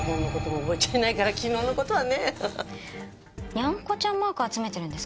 にゃんこちゃんマーク集めてるんですか？